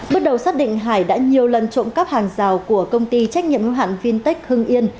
bước đầu xác định hải đã nhiều lần trộm cắp hàng rào của công ty trách nhiệm hữu hạn vintech hưng yên